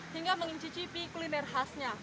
hingga mencicipi kuliner khasnya